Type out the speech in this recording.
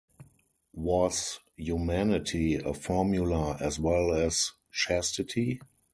Was humanity a formula as well as chastity?